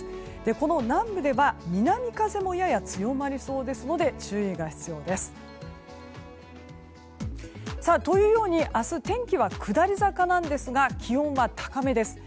この南部では南風もやや強まりそうですので注意が必要です。というように明日、天気は下り坂なんですが気温が高めです。